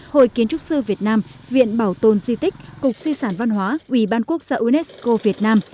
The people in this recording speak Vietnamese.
hội kiến trúc sư việt nam viện bảo tồn di tích cục di sản văn hóa ubnd unesco việt nam